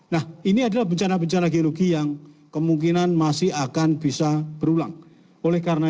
nah ini adalah bencana bencana geologi yang kemungkinan masih akan bisa berulang oleh karena